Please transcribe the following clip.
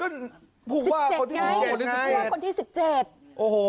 ดูว่าคนที่สิบเจ็ดไง